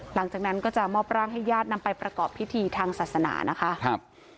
หลังจากนั้นก็จะมอบร่างให้ญาตินำไปประกอบพิธีทางศาสนานะคะครับ